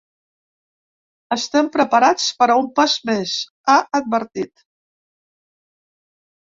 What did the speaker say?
Estem preparats per a un pas més, ha advertit.